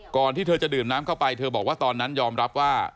ที่เธอจะดื่มน้ำเข้าไปเธอบอกว่าตอนนั้นยอมรับว่า